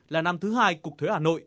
là năm thứ hai cục thuế hà nội